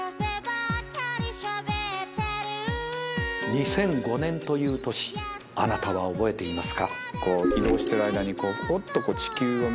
２００５年という年あなたは覚えていますか。